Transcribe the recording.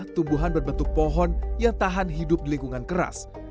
tumbuhan berbentuk pohon yang tahan hidup di lingkungan keras